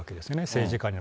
政治家に。